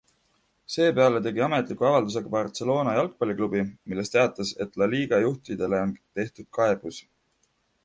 Seepeale tegi ametliku avalduse ka Barcelona jalgpalliklubi, milles teatas, et La Liga juhtidele on tehtud kaebus.